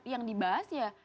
yang dibahas ya